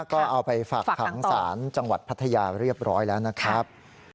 ก็เอาไปฝากขังศาลจังหวัดพัทยาเรียบร้อยแล้วนะครับ